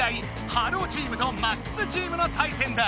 ｈｅｌｌｏ，チームとＭＡＸチームの対戦だ。